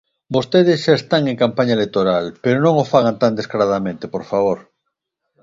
Vostedes xa están en campaña electoral, ¡pero non o fagan tan descaradamente, por favor!